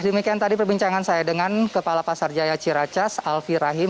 demikian tadi perbincangan saya dengan kepala pasar jaya ciracas alfie rahim